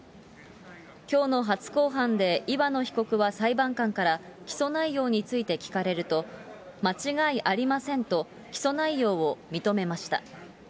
きょうの初公判で、岩野被告は裁判官から起訴内容について聞かれると、間違いありませんと、起訴内容を認めました。